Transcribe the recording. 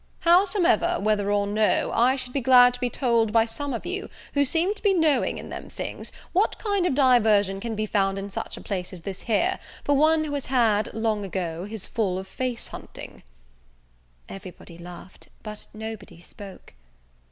Howsomever, whether or no, I should be glad to be told by some of you, who seem to be knowing in them things, what kind of diversion can be found in such a place as this here, for one who has had, long ago, his full of face hunting?" Every body laughed, but nobody spoke.